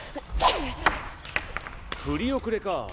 振り遅れか。